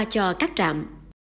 cho các trạm